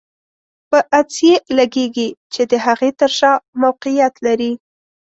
په عدسیې لګیږي چې د هغې تر شا موقعیت لري.